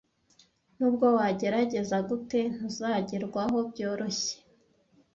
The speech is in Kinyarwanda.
Nubwo wagerageza gute, ntuzagerwaho byoroshye.